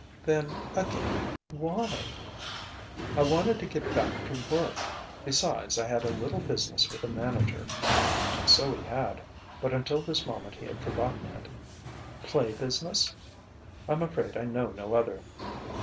"Then, again, why ?" "I wanted to get back to work. Besides, I had a little business with a manager." And so he had; but until this moment he had forgotten it. "Play business?" "I'm afraid I know no other."